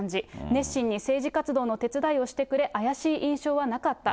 熱心に政治活動をしてくれ、手伝いをしてくれ、怪しい印象はなかった。